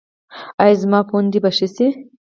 ایا زما پوندې به ښې شي؟